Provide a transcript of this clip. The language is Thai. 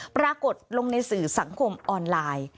ปรากฏลงในสื่อสังคมออนไลน์